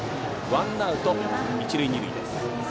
ワンアウト一塁二塁です。